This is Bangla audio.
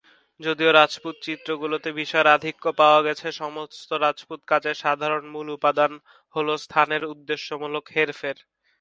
যদিও রাজপুত চিত্রগুলিতে বিষয়ের আধিক্য পাওয়া গেছে, সমস্ত রাজপুত কাজের সাধারণ মূল উপাদান হল স্থানের উদ্দেশ্যমূলক হেরফের।